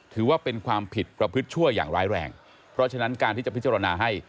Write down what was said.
ถือว่าเป็นความผิดประพฤติชั่วอย่างร้ายแรงเพราะฉะนั้นการที่จะพิจารณาให้